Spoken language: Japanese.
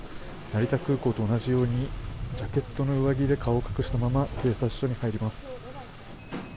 成田空港と同じようにジャケットの上着で顔を隠したまま警察署に入ります。